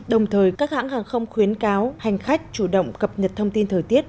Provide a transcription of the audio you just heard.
đồng thời các hãng hàng không khuyến cáo hành khách chủ động cập nhật thông tin thời tiết